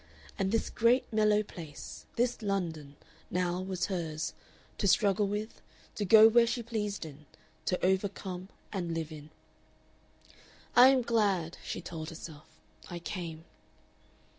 And this great mellow place, this London, now was hers, to struggle with, to go where she pleased in, to overcome and live in. "I am glad," she told herself, "I came."